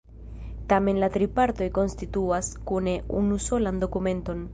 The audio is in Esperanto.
Tamen la tri partoj konstituas kune unusolan dokumenton.